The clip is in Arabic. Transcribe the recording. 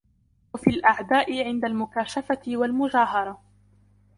وَفِي الْأَعْدَاءِ عِنْدَ الْمُكَاشَفَةِ وَالْمُجَاهَرَةِ